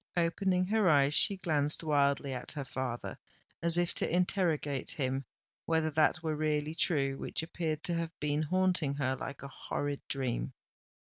Opening her eyes, she glanced wildly at her father, as if to interrogate him whether that were really true which appeared to have been haunting her like a horrid dream.